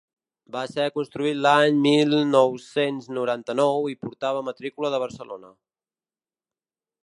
Va ser construït l’any mil nou-cents noranta-nou i portava matrícula de Barcelona.